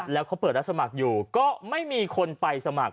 แล้วเขาเปิดรับสมัครอยู่ก็ไม่มีคนไปสมัคร